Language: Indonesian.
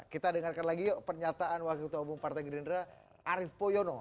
kita dengarkan lagi yuk pernyataan wakil ketua umum partai gerindra arief poyono